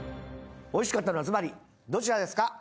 おいしかったのはずばりどちらですか？